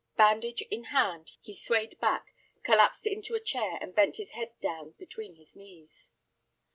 Bandage in hand, he swayed back, collapsed into a chair, and bent his head down between his knees.